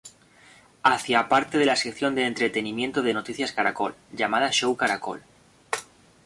Hacia parte de la sección de entretenimiento de "Noticias Caracol", llamada "Show Caracol".